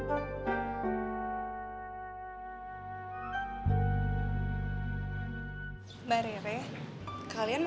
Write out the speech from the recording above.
jangan diam dia dulu